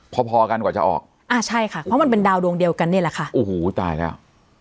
พอพอกันกว่าจะออกอ่าใช่ค่ะเพราะมันเป็นดาวดวงเดียวกันนี่แหละค่ะโอ้โหตายแล้ว